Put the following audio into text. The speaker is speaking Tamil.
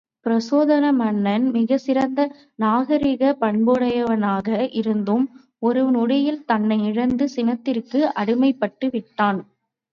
பிரச்சோதன மன்னன் மிகச்சிறந்த நாகரிகப் பண்புடையவனாக இருந்தும் ஒரு நொடியில் தன்னை இழந்து சினத்திற்கு அடிமைப்பட்டு விட்டான்.